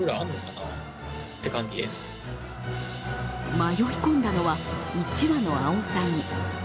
迷い込んだのは１羽のあおさぎ。